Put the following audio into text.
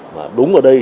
mà đúng ở đây